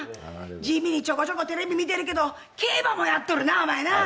地味にちょこちょこ見てるけど競馬もやっとるな、お前な。